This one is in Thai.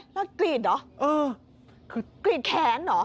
แล้วกรีดเหรอกรีดแขนเหรอ